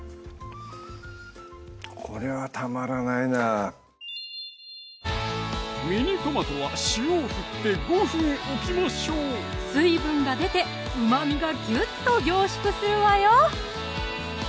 これはたまらないなミニトマトは塩をふって５分置きましょう水分が出て旨みがギュッと凝縮するわよ！